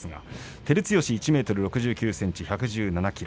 照強は１６２ｃｍ１１７ｋｇ